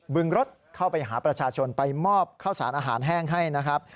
ึงรถเข้าไปหาประชาชนไปมอบข้าวสารอาหารแห้งให้นะครับ